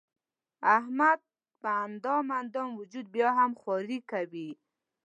احمد په اندام اندام وجود بیا هم خواري کوي.